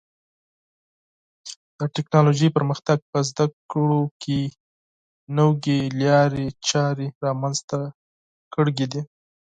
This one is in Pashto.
د ټکنالوژۍ پرمختګ په زده کړو کې نوې لارې چارې رامنځته کړې دي.